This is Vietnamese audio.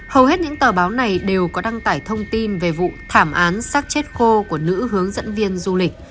hầu hết những tờ báo này đều có đăng tải thông tin về vụ thảm án sắc chết khô của nữ hướng dẫn viên du lịch